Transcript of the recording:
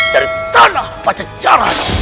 dari tanah pajajaran